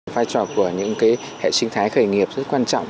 vai trò của những hệ sinh thái khởi nghiệp rất quan trọng